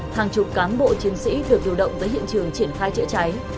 hàng chục cán bộ chiến sĩ được điều động tới hiện trường triển khai chữa cháy